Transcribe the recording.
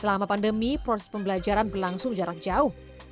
selama pandemi proses pembelajaran berlangsung jarak jauh